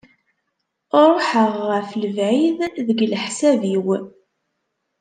Ruḥeɣ ɣef lebɛid deg leḥsab-iw.